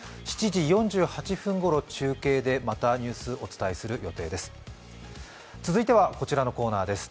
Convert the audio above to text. ７時４８分ごろ中継でまたニュース、お伝えする予定です。